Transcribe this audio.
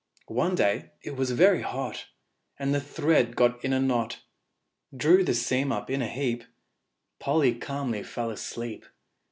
One day it was very hot, And the thread got in a knot, Drew the seam up in a heap Polly calmly fell asleep.